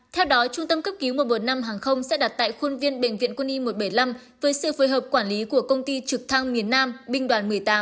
theo đó trung tâm cấp cứu một trăm một mươi năm hàng không sẽ đặt tại khuôn viên bệnh viện quân y một trăm bảy mươi năm với sự phối hợp quản lý của công ty trực thăng miền nam binh đoàn một mươi tám